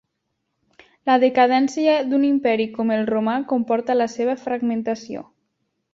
La decadència d'un imperi com el romà comporta la seva fragmentació.